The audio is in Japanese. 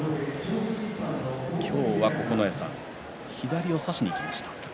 今日は九重さん左を差しにいきました。